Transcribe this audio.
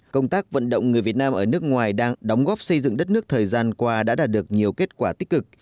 công tác vận động người việt nam ở nước ngoài đang đóng góp xây dựng đất nước thời gian qua đã đạt được nhiều kết quả tích cực